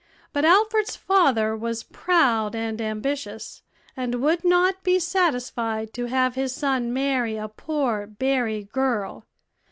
But Alfred's father was proud and ambitious, and would not be satisfied to have his son marry a poor berry girl.